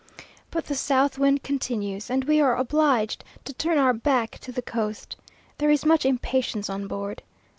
But the south wind continues and we are obliged to turn our back to the coast. There is much impatience on board.